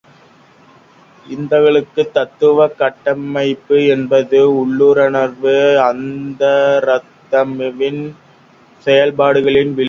இந்துக்களுக்கு தத்துவக் கட்டமைப்பு என்பது உள்ளுணர்வு, அந்தராத்மாவின் செயல்களின் விளைவே.